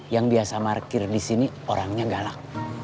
yang biasa markir disini orangnya galak